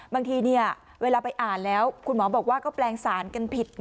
บางทีเวลาไปอ่านแล้วคุณหมอบอกว่าก็แปลงสารกันผิด